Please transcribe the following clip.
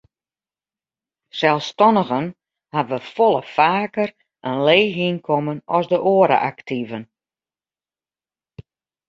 Selsstannigen hawwe folle faker in leech ynkommen as de oare aktiven.